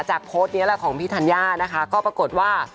โพสต์นี้แหละของพี่ธัญญานะคะก็ปรากฏว่า